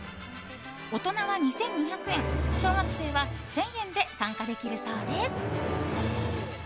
大人は２２００円小学生は１０００円で参加できるそうです。